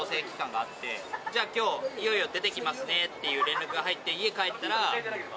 じゃあ今日いよいよ出ていきますねっていう連絡が入って家帰ったら。